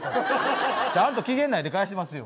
ちゃんと期限内に返しますよ。